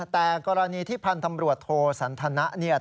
แต่กรณีที่พันตำรวจโทรสันธนา